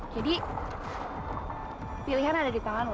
jadi pilihan ada di tangan lo